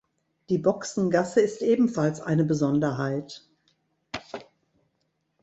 Die Boxengasse ist ebenfalls eine Besonderheit.